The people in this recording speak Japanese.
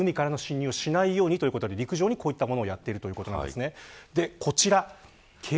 海からの侵入をしないようにということで、陸上にこういったことをやっているということです。